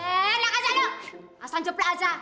enak aja dong asal jeply aja